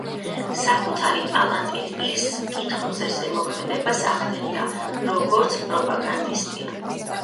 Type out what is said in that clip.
საკუთარი ტალანტით ის მკითხველზე ზემოქმედებას ახდენდა, როგორც პროპაგანდისტი.